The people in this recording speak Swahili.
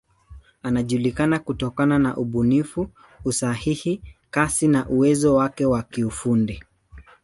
Anajulikana kutokana na ubunifu, usahihi, kasi na uwezo wake wa kiufundi.